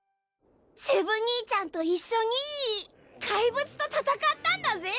セブ兄ちゃんと一緒に怪物と戦ったんだぜ！